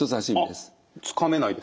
あっつかめないです。